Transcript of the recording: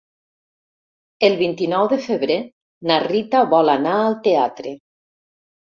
El vint-i-nou de febrer na Rita vol anar al teatre.